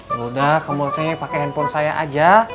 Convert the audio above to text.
yaudah kamu pake hp saya aja